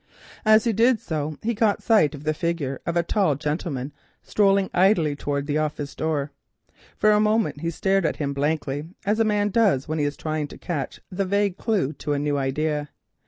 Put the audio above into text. As he did so he caught sight of the figure of a tall gentleman strolling idly towards the office door. For a moment he stared at him blankly, as a man does when he is trying to catch the vague clue to a new idea.